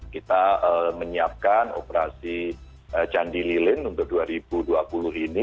kita menyiapkan operasi candi lilin untuk dua ribu dua puluh ini